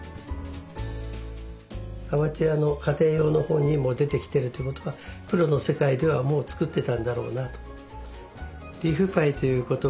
アマチュアの家庭用の本にも出てきてるということはプロの世界ではもう作ってたんだろうなと。